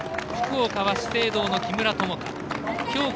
福岡は資生堂の木村友香。